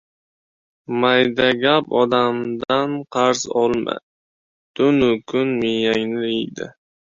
• Maydagap odamdan qarz olma — tun-u kun miyangni yeydi.